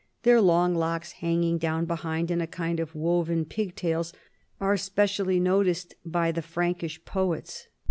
Their long locks hang ing down behind, in a kind of woven pigtails, are specially noticed by the Frankish poets.